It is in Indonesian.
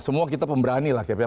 semua kita pemberani lah